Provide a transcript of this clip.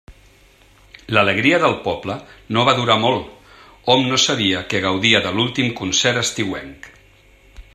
L'alegria del poble no va durar molt, hom no sabia que gaudia de l'últim concert estiuenc.